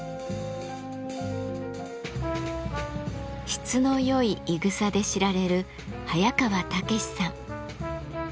質のよいいぐさで知られる早川猛さん。